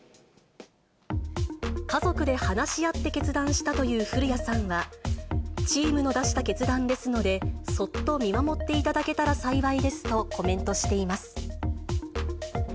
家族で話し合って決断したという降谷さんは、チームの出した決断ですので、そっと見守っていただけたら幸いですとコメントしています。